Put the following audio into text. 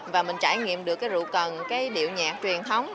và mình trải nghiệm được cái rượu cần cái điệu nhạc truyền thống